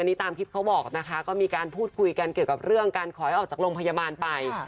อันนี้ตามคลิปเขาบอกนะคะก็มีการพูดคุยกันเกี่ยวกับเรื่องการขอให้ออกจากโรงพยาบาลไป